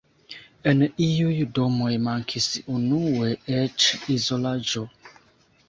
En iuj domoj mankis unue eĉ izolaĝo.